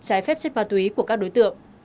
trái phép trên ma túy của các đối tượng